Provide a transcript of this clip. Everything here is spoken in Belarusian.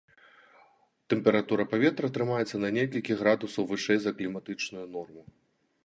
Тэмпература паветра трымаецца на некалькі градусаў вышэй за кліматычную норму.